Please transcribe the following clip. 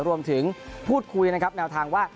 รวมถึงพูดคุยแนวทางว่า